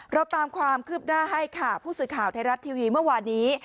เราตามความคืบหน้าให้ค่ะผู้สื่อข่าวไทยรัฐทีวีเมื่อวานนี้